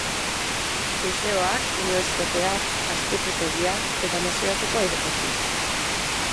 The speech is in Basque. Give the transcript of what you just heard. Museoak, unibertsitatea, apezpikutegia eta nazioarteko aireportua.